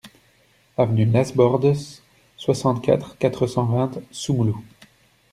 Avenue Las Bordes, soixante-quatre, quatre cent vingt Soumoulou